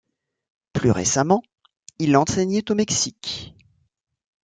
Plus récemment, il enseignait au Mexique.